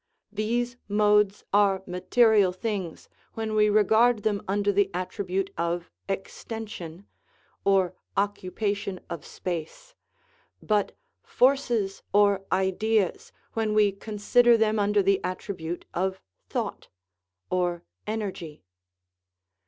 These modes are material things when we regard them under the attribute of extension (or "occupation of space "), but forces or ideas when we consider them under the at tribute of thought (or " energy